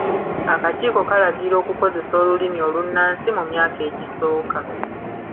Akakiiko kalagira okukozesa Olulimi olunaansi mu myaka egisoooka.